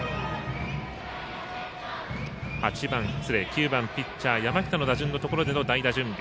９番ピッチャー、山北の打順のところでの代打準備。